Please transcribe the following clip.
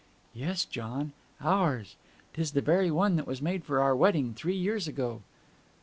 'Yes, John, ours. 'Tis the very one that was made for our wedding three years ago.'